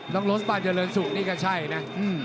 น้องลสปานเยอร์เรินสุกนี่ก็ใช่นะ